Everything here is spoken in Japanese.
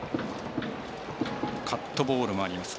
カットボールもあります。